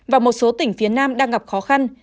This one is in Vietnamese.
và một số tỉnh phía nam đang gặp khó khăn